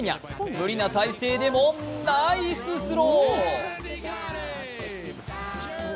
無理な体勢でもナイススロー。